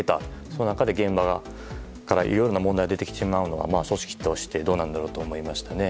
その中で現場からいろいろな問題が出てきてしまうのは組織としてどうなんだろうと思いましたね。